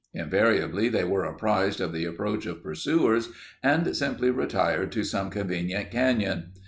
Invariably they were apprised of the approach of pursuers and simply retired to some convenient canyon.